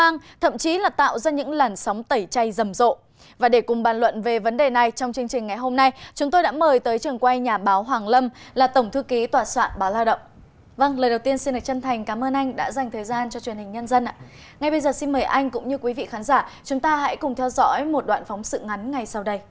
ngay bây giờ xin mời anh cũng như quý vị khán giả chúng ta hãy cùng theo dõi một đoạn phóng sự ngắn ngay sau đây